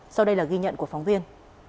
sau đây là ghi nhận của phóng viên